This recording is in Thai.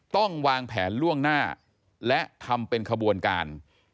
ต้องวางแผนล่วงหน้าและทำเป็นขบวนการ